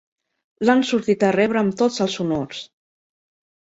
L'han sortit a rebre amb tots els honors.